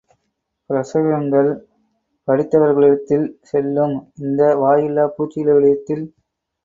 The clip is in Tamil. பிரசங்கங்கள் படித்தவர்களிடத்தில் செல்லும் இந்த வாயில்லா பூச்சிகளிடத்தில்?